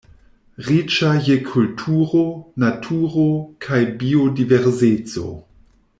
Riĉa je kulturo, naturo kaj biodiverseco.